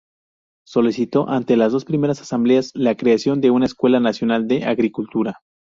Solicitó ante las dos primeras asambleas la creación de una escuela nacional de agricultura.